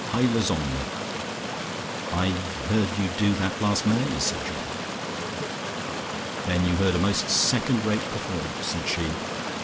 Heile Sonne!" "I heard you do that last May," said Georgie. "Then you heard a most second rate performance," said she.